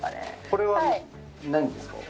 これはなんですか？